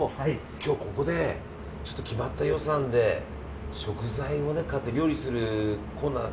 今日、ここでちょっと決まった予算で食材を買って料理するコーナー。